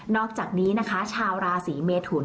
อกจากนี้นะคะชาวราศีเมทุน